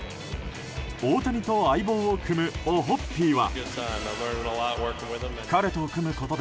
大谷と相棒を組むオホッピーは。